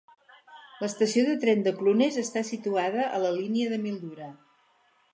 L'estació de tren de Clunes està situada a la línia de Mildura.